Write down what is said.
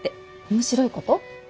面白いこと？